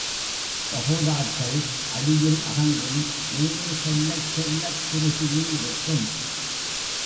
பகோடாக்கள் அடியில் அகன்றும் மேலே செல்லச் செல்லக் குறுகியும் இருக்கும்.